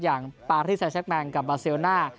อย่างปาริแซคแมงกับบาเซลน่า